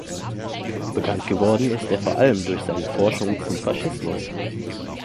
Bekannt geworden ist er vor allem durch seine Forschungen zum Faschismus.